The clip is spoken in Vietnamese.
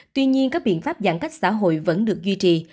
tuy nhiên các biện pháp giãn cách xã hội vẫn được duy trì